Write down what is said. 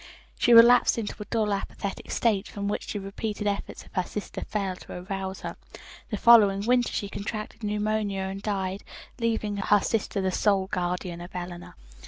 She relapsed into a dull, apathetic state, from which the repeated efforts of her sister failed to arouse her. The following winter she contracted pneumonia and died, leaving her sister the sole guardian of Eleanor."